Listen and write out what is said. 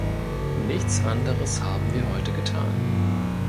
Nichts Anderes haben wir heute getan.